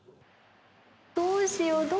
どうしよう。